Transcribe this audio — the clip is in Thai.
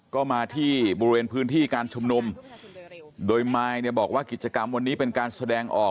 ก็มาที่บริเวณพื้นที่การชุมนุมโดยมายเนี่ยบอกว่ากิจกรรมวันนี้เป็นการแสดงออก